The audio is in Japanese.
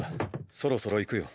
そろそろ行くよ。